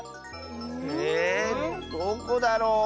えどこだろう。